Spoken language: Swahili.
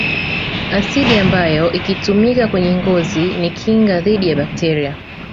Asidi ambayo ikitumika kwenye ngozi ni kinga dhidi ya bakteria